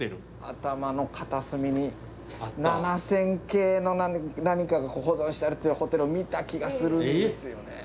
頭の片隅に７０００系の何かが保存してあるっていうホテルを見た気がするんですよね。